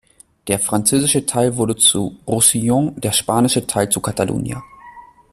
Der französische Teil wurde zu "Roussillon", der spanische Teil zu "Catalunya".